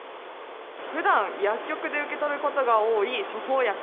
ふだん薬局で受け取ることが多い処方薬。